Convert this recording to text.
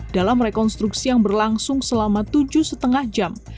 dalam rekonstruksi yang berlangsung selama tujuh lima jam